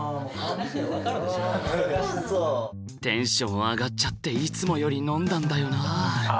テンション上がっちゃっていつもより飲んだんだよな。